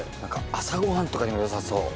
朝ご飯とかにも良さそう。